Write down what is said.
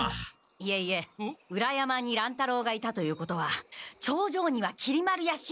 いえいえ裏山に乱太郎がいたということは頂上にはきり丸やしんべヱが。